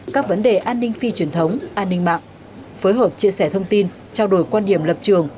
các vấn đề an ninh phi truyền thống an ninh mạng phối hợp chia sẻ thông tin trao đổi quan điểm lập trường